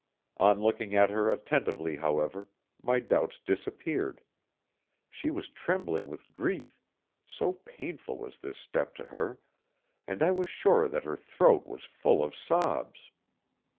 On looking at her attentively, however, my doubts disappeared. She was trembling with grief, so painful was this step to her, and I was sure that her throat was full of sobs.